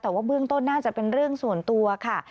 แต่ว่าเบื้องต้นน่าจะเป็นเรื่องส่วนตัวค่ะ